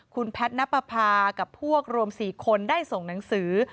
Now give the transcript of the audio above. คุณแพทย์นับประพากับพวกรวม๔คนได้ส่งหนังสือ